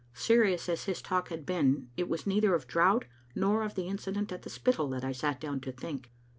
Serious as his talk had been it was neither of drought nor of the incident at the Spittal that I sat down to think.